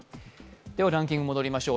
ランキングに戻りましょう。